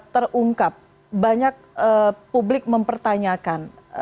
terungkap banyak publik mempertanyakan